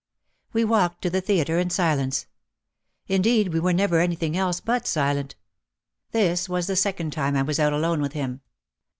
We walked to the theatre in silence. In deed we were never anything else but silent. This was the second time I was out alone with him.